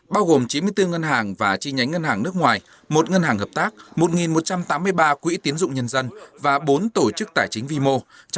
bao gồm chín mươi bốn ngân hàng và chi nhánh ngân hàng nước ngoài một ngân hàng hợp tác một một trăm tám mươi ba quỹ tiến dụng nhân dân và bốn tổ chức tài chính vi mô